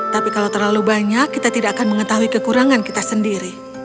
tapi kalau terlalu banyak kita tidak akan mengetahui kekurangan kita sendiri